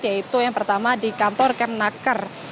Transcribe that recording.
yaitu yang pertama di kantor kemnaker